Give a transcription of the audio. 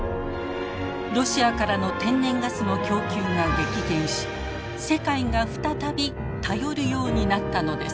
ロシアからの天然ガスの供給が激減し世界が再び頼るようになったのです。